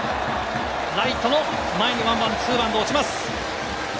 ライトの前にワンバウンド、ツーバウンド、落ちます！